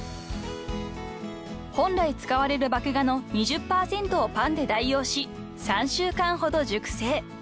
［本来使われる麦芽の２０％をパンで代用し３週間ほど熟成］